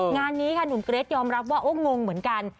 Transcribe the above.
งานนี้ลุมเกรดยอมรับว่าก็งงเหมือนกัน